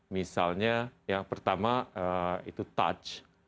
misalnya yang pertama itu touch